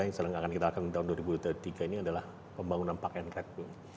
yang akan kita lakukan di tahun dua ribu dua puluh tiga ini adalah pembangunan park and capture